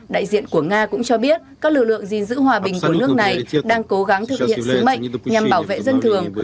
đại diện của nga cũng cho biết các lực lượng gìn giữ hòa bình của nước này đang cố gắng thực hiện sứ mệnh nhằm bảo vệ dân thường